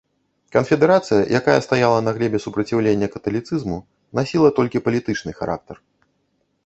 Канфедэрацыя, якая стаяла на глебе супраціўлення каталіцызму, насіла толькі палітычны характар.